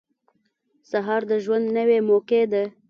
• سهار د ژوند نوې موقع ده.